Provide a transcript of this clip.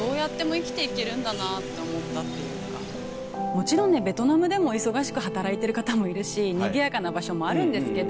もちろんベトナムでも忙しく働いてる方もいるしにぎやかな場所もあるんですけど。